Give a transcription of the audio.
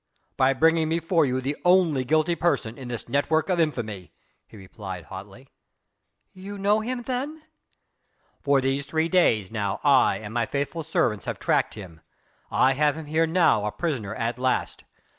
"By bringing before you the only guilty person in this network of infamy," he replied hotly. "You know him then?" "For these three days now I and my faithful servants have tracked him. I have him here now a prisoner at last.